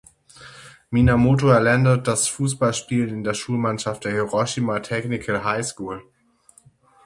Minamoto erlernte das Fußballspielen in der Schulmannschaft der Hiroshima Technical High School.